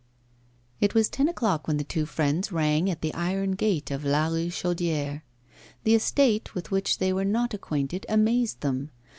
It was ten o'clock when the two friends rang at the iron gate of La Richaudière. The estate, with which they were not acquainted, amazed them.